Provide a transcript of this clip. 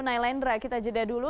nailendra kita jeda dulu